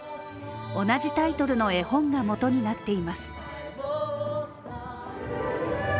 同じタイトルの絵本がもとになっています。